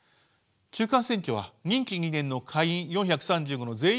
中間選挙は任期２年の下院４３５の全員が改選。